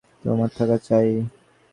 তোমার থাকা চাই-ই।